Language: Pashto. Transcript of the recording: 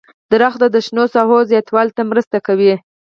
• ونه د شنو ساحو زیاتوالي ته مرسته کوي.